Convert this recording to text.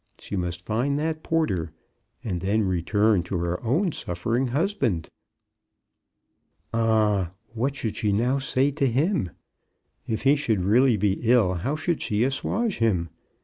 She must find that porter, and then return to her own suffer ing husband. Ah ! what now should she say to him? If he should really be ill, how should she assauge him?